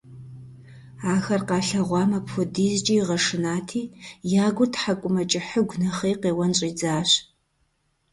Ахэр къалъэгъуам апхэдизкӀэ игъэшынати, я гур тхьэкӀумэкӀыхьыгу нэхъей, къеуэн щӀидзащ.